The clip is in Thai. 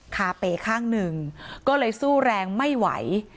คาเป่ข้างหนึ่งก็เลยสู้แรงไม่ไหว